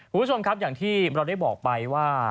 คุณผู้ชมครับอย่างที่เราได้บอกไปว่า